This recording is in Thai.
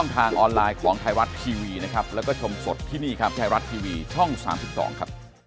ปล่อยตัวนักกีฬา